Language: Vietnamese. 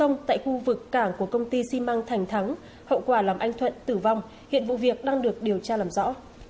hòa nghi ngờ anh vũ hoàng thuận sinh năm một nghìn chín trăm tám mươi năm là công nhân cùng công ty xi măng thành thắng hậu quả làm anh thuận tử vong hiện vụ việc đang được điều tra làm rõ